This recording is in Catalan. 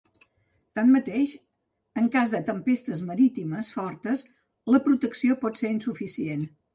Tanmateix, en cas de tempestes marítimes fortes, la protecció pot ser insuficient.